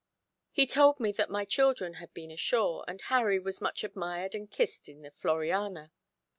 He told me that my children had been ashore, and Harry was much admired and kissed in the Floriana.